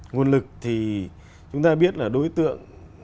nguồn lực thì chúng ta biết là đối tượng